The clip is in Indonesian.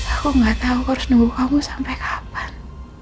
aku gak tau harus nunggu kamu sampai kapan